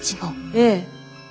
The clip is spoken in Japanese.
ええ。